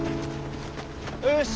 よし！